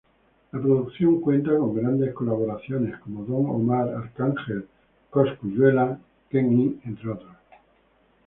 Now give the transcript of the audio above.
La producción cuenta con grandes colaboraciones como: Don Omar, Arcángel, Cosculluela, Ken-Y, entre otros.